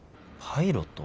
パイロット？